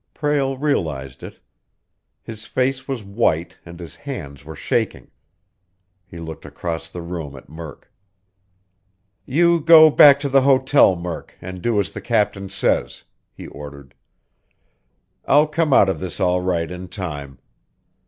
Prale realized it. His face was white and his hands were shaking. He looked across the room at Murk. "You go back to the hotel, Murk, and do as the captain says," he ordered. "I'll come out of this all right in time.